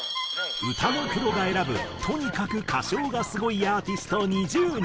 歌のプロが選ぶとにかく歌唱がスゴいアーティスト２０人。